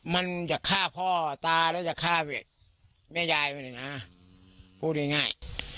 มันจะฆ่าพ่อตาแล้วจะฆ่าเวทย์แม่ยายไว้หน่อยนะพูดง่าย